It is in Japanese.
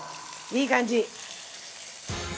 いい感じ。